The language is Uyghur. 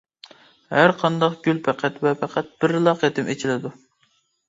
ھەر قانداق گۈل پەقەت ۋە پەقەت بىرلا قېتىم ئېچىلىدۇ.